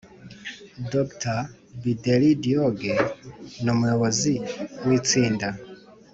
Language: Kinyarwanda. Dr bideri diog ne umuyobozi w itsinda